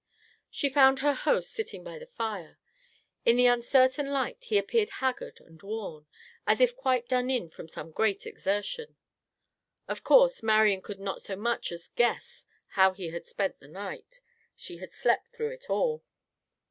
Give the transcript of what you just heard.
She found her host sitting by the fire. In the uncertain light he appeared haggard and worn, as if quite done in from some great exertion. Of course Marian could not so much as guess how he had spent the night. She had slept through it all.